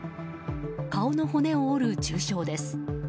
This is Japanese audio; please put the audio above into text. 顔の骨を折る重傷です。